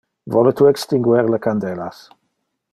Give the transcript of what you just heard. Vole tu extinguer le candelas?